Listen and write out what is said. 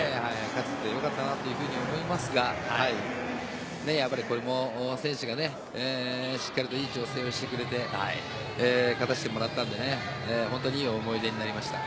勝てて良かったなと思いますがこれも選手がしっかりといい調整をしてくれて勝たせてもらったので本当にいい思い出になりました。